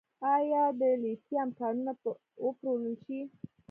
آیا د لیتیم کانونه به وپلورل شي؟